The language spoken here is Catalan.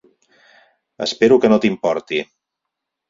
Espero que no t'importi.